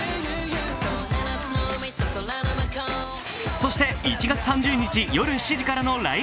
そして、１月３０日、夜７時からの「ライブ！